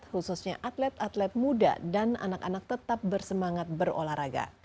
khususnya atlet atlet muda dan anak anak tetap bersemangat berolahraga